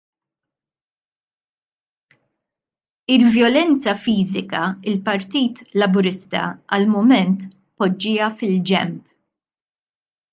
Il-vjolenza fiżika l-Partit Laburista għall-mument poġġieha fil-ġenb.